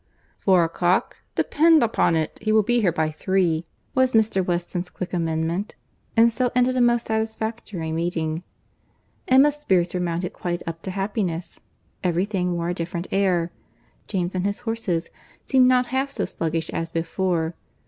"Four o'clock!—depend upon it he will be here by three," was Mr. Weston's quick amendment; and so ended a most satisfactory meeting. Emma's spirits were mounted quite up to happiness; every thing wore a different air; James and his horses seemed not half so sluggish as before.